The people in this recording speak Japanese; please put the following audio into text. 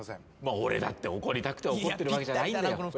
俺だって怒りたくて怒ってるわけじゃないんだよ。